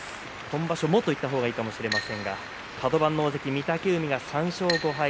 今場所もと言った方がいいかもしれませんがカド番の大関御嶽海が３勝５敗。